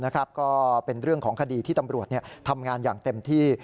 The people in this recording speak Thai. ก็เป็นเรื่องของคดีที่ตำรวจทำงานอย่างเต็มที่